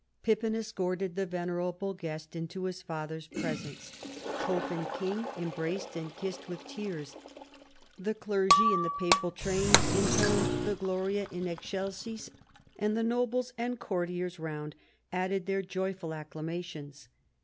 Pippin escorted the venerable guest into his father's presence. Pope and king embraced and kissed with tears. The cleroy in the papal train intoned the Gloria in Excelsis, and the nobles and courtiers round added their joyful accla mations.